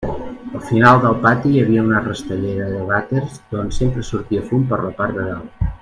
Al final del pati hi havia una rastellera de vàters, d'on sempre sortia fum per la part de dalt.